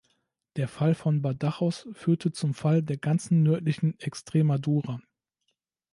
Der Fall von Badajoz führte zum Fall der ganzen nördlichen Extremadura.